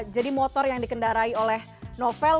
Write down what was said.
jadi motor yang dikendarai oleh novel